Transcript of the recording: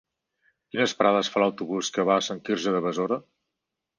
Quines parades fa l'autobús que va a Sant Quirze de Besora?